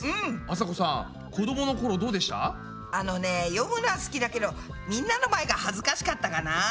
あのね読むのは好きだけどみんなの前がはずかしかったかな。